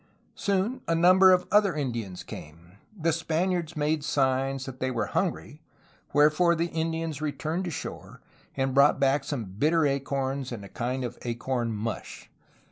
Soon a number of other Indians came. The Spaniards made signs that they were hungry, wherefore the Indians returned to shore and brought back some bitter acorns and a kind of acorn mush.